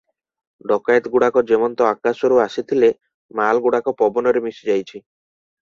ଡକାଏତଗୁଡ଼ାକ ଯେମନ୍ତ ଆକାଶରୁ ଆସିଥିଲେ, ମାଲଗୁଡ଼ାକ ପବନରେ ମିଶି ଯାଇଛି ।